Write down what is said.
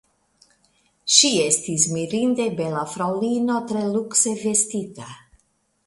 Ŝi estis mirinde bela fraŭlino, tre lukse vestita.